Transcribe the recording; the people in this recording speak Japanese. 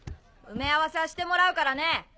埋め合わせはしてもらうからね。